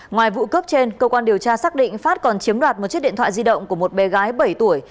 ngoài vụ cướp trên cơ quan điều tra xác định phát còn chiếm đoạt một chiếc điện thoại di động của một bé gái bảy tuổi